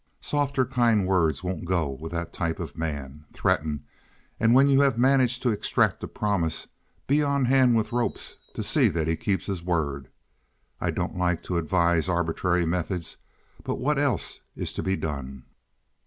Soft or kind words won't go with that type of man. Threaten, and when you have managed to extract a promise be on hand with ropes to see that he keeps his word. I don't like to advise arbitrary methods, but what else is to be done?